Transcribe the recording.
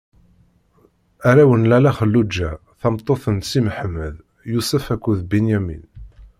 Arraw n Lalla Xelluǧa tameṭṭut n Si Mḥemmed: Yusef akked Binyamin.